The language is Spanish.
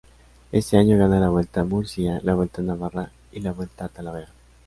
Ese año gana la Vuelta Murcia, la Vuelta Navarra y la Vuelta a Talavera.